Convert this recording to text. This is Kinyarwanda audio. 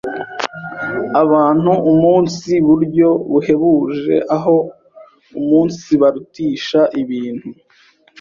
abantu umunsi buryo buhebuje aho umunsibarutisha ibintu.